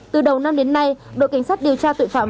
từ đầu năm đến nay đội cảnh sát điều tra tội phạm